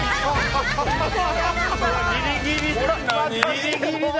ギリギリだ。